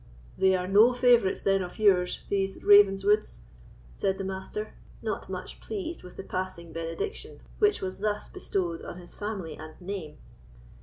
"They are no favourites, then, of yours, these Ravenswoods?" said the Master, not much pleased with the passing benediction which was thus bestowed on his family and name.